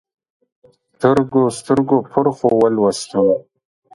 سترګو، سترګو پرخو ولوستم